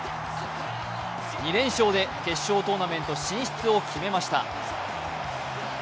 ２連勝で決勝トーナメント進出を決めました。